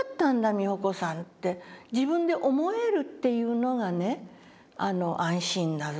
美穂子さんって自分で思えるっていうのがね安心だぞ」